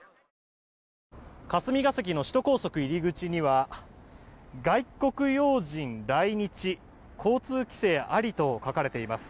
霞が関の首都高速入り口には外国要人来日、交通規制ありと書かれています。